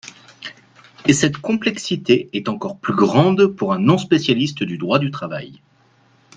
Et cette complexité est encore plus grande pour un non-spécialiste du droit du travail.